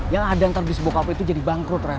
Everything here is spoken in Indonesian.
yang ada antara bisnis bokap lo itu jadi bangkrut ren